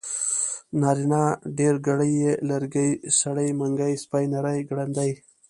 نارينه ډېرګړی ي لرګي سړي منګي سپي نري ګړندي